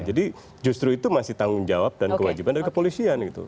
jadi justru itu masih tanggung jawab dan kewajiban dari kepolisian gitu